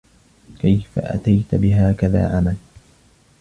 كيف اتيت بهكذا عمل ؟